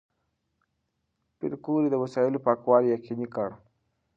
پېیر کوري د وسایلو پاکوالی یقیني کړ.